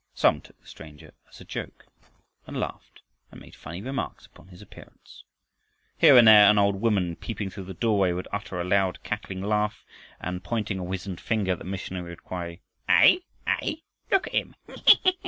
Some took the stranger as a joke, and laughed and made funny remarks upon his appearance. Here and there an old woman, peeping through the doorway, would utter a loud cackling laugh, and pointing a wizened finger at the missionary would cry: "Eh, eh, look at him!